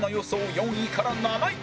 ４位から７位